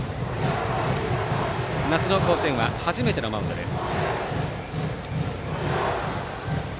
夏の甲子園は初めてのマウンドです。